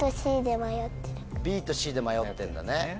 ＢとＣで迷ってんだね。